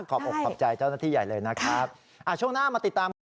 ขอบคุณขอบใจเจ้าหน้าที่ใหญ่เลยนะครับช่วงหน้ามาติดตาม